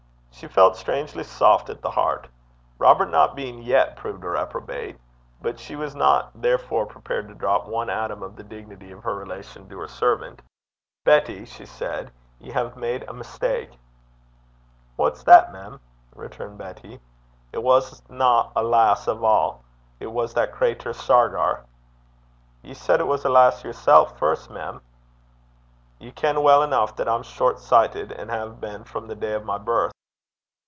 She felt strangely soft at the heart, Robert not being yet proved a reprobate; but she was not therefore prepared to drop one atom of the dignity of her relation to her servant. 'Betty,' she said, 'ye hae made a mistak.' 'What's that, mem?' returned Betty. 'It wasna a lass ava; it was that crater Shargar.' 'Ye said it was a lass yersel' first, mem.' 'Ye ken weel eneuch that I'm short sichtit, an' hae been frae the day o' my birth.'